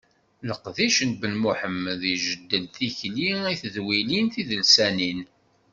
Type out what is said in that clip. Leqdic n Ben Muḥemmed ijeddel tikli i tedwilin tidelsanin.